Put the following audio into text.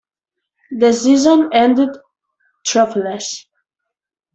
The season ended trophyless.